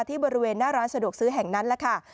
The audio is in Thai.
บริเวณหน้าร้านสะดวกซื้อแห่งนั้นแหละค่ะ